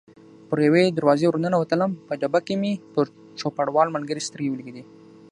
په یوې دروازې ور ننوتلم، په ډبه کې مې پر چوپړوال ملګري سترګې ولګېدې.